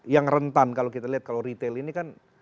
yang rentan kalau kita lihat kalau retail ini kan